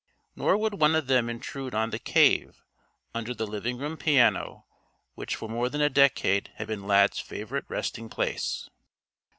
Nor would one of them intrude on the "cave" under the living room piano which for more than a decade had been Lad's favorite resting place.